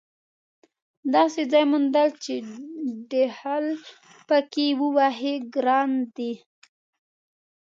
داسې ځای موندل چې ډهل پکې ووهې ګران دي.